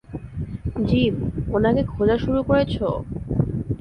Gym, ওনাকে খোঁজা শুরু করেছ?